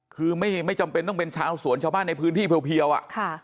คือไม่จำเป็นต้องเป็นชาวสวนชาวบ้านในพื้นที่เพียวอ่ะค่ะ